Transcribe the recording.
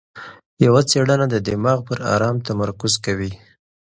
یوه څېړنه د دماغ پر ارام تمرکز کوي.